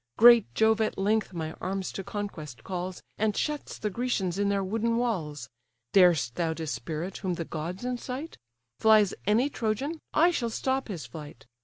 Great Jove at length my arms to conquest calls, And shuts the Grecians in their wooden walls, Darest thou dispirit whom the gods incite? Flies any Trojan? I shall stop his flight.